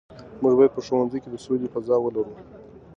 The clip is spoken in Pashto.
موږ باید په ښوونځي کې د سولې فضا ولرو.